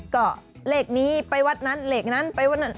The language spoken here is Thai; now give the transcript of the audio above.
ก็เลขนี้ไปวัดนั้นเลขนั้นไปวัดนั้น